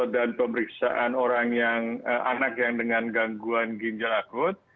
dan pemeriksaan anak yang dengan gangguan ginjal akut